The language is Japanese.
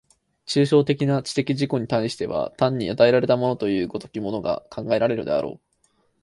抽象的な知的自己に対しては単に与えられたものという如きものが考えられるであろう。